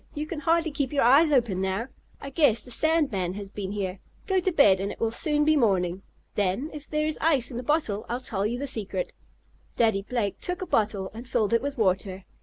"You can hardly keep your eyes open now. I guess the sand man has been here. Go to bed, and it will soon be morning. Then, if there is ice in the bottle, I'll tell you the secret." Daddy Blake took a bottle, and filled it with water.